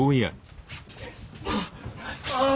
ああ。